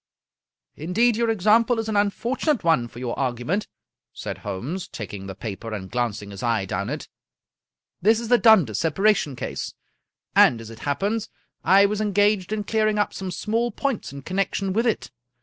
" Indeed your example is an unfortunate one for your argument," said Holmes, taking the paper, and glancing his eye down it. " This is the Dundas separation case, and, as it happens, I was engaged in clearing up some small points in connection with it.